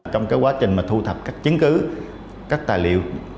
trong quá trình thu thập các chứng cứ các tài liệu